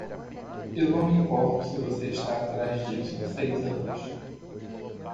Eu não me importo se você está atrás disso há seis anos!